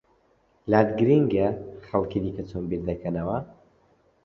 لات گرنگە خەڵکی دیکە چۆن بیر دەکەنەوە؟